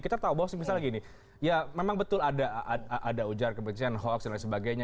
kita tahu bahwa misalnya gini ya memang betul ada ujaran kebencian hoax dan lain sebagainya